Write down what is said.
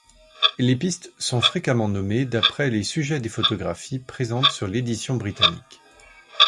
Les pistes sont fréquemment nommées d'après les sujets des photographies présentes sur l'édition britannique.